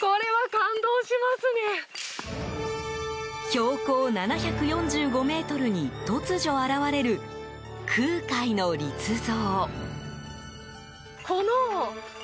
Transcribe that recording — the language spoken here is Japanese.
標高７４５ｍに突如現れる空海の立像。